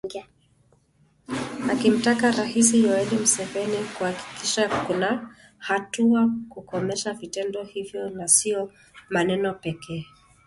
Akimtaka Rais Yoweri Museveni kuhakikisha kuna hatua za kukomesha vitendo hivyo na sio maneno pekee